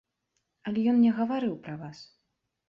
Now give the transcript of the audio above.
Але ён мне гаварыў пра вас.